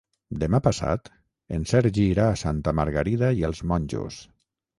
Demà passat en Sergi irà a Santa Margarida i els Monjos.